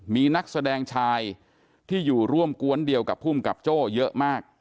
มีนักแสดงชายที่อยู่ร่วมกวนเดียวกับภูมิกับโจ้เยอะมาก